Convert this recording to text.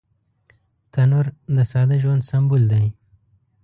تنور د ساده ژوند سمبول دی